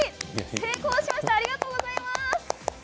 成功しました、ありがとうございます。